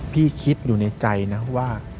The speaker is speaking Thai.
คิดอยู่ในใจนะว่า